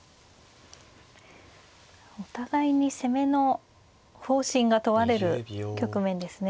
お互いに攻めの方針が問われる局面ですね。